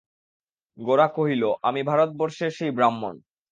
গোরা কহিল, আমি ভারতবর্ষের সেই ব্রাহ্মণ।